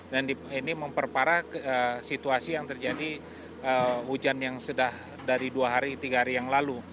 dan ini memperparah situasi yang terjadi hujan yang sedah dari dua hari tiga hari yang lalu